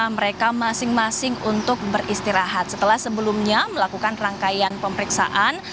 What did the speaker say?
mereka masing masing untuk beristirahat setelah sebelumnya melakukan rangkaian pemeriksaan